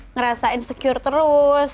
ngerasa insecure terus